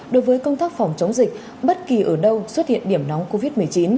đối với công tác phòng chống dịch bất kỳ ở đâu xuất hiện điểm nóng covid một mươi chín